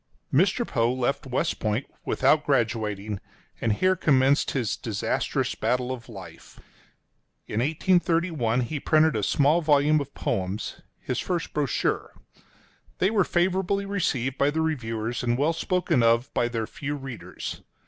Mr. Poe left West Point without graduating, and here commenced his disastrous battle of life, in 1831, he printed a small volume of poems, his first brochure. They were favorably received by the reviewers, and well spoken of by their few readers.